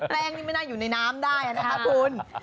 แป้งนี่ไม่น่าอยู่ในน้ำได้นะคะคุณ